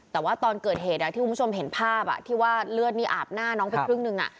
แต่ว่าตอนเกิดเหตุที่คุณผู้ชมเห็นภาพที่ว่าเลือดนี่อาบหน้าน้องไปครึ่งหนึ่ง